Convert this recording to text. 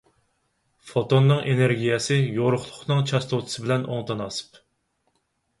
فوتوننىڭ ئېنېرگىيەسى يورۇقلۇقنىڭ چاستوتىسى بىلەن ئوڭ تاناسىپ.